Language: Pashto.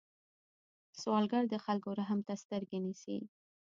سوالګر د خلکو رحم ته سترګې نیسي